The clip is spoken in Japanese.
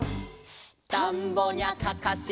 「たんぼにゃかかし」